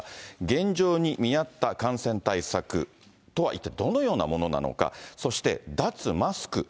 現状に見合った感染対策とは、一体どのようなものなのか、そして脱マスク。